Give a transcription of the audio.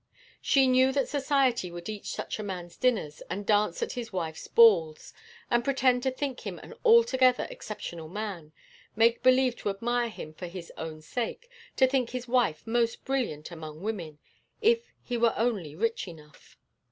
She knew that society would eat such a man's dinners and dance at his wife's balls, and pretend to think him an altogether exceptional man, make believe to admire him for his own sake, to think his wife most brilliant among women, if he were only rich enough.